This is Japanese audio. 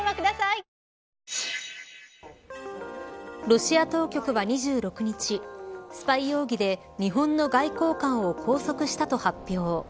ロシア当局は２６日スパイ容疑で日本の外交官を拘束したと発表。